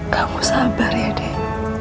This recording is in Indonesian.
kamu sabar ya adik